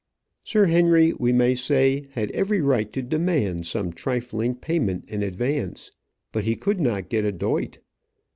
Sir Henry, we may say, had every right to demand some trifling payment in advance; but he could not get a doit.